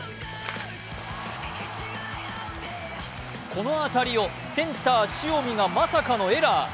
この当たりをセンター・塩見がまさかのエラー。